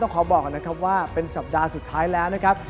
ขอบอกก่อนนะครับว่าเป็นสัปดาห์สุดท้ายแล้วนะครับ